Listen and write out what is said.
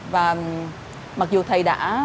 và mặc dù thầy đã